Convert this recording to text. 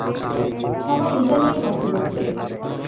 সবাই এটা নিয়েই কথা বলছে।